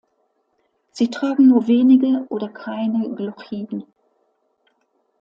Sie tragen nur wenige oder keine Glochiden.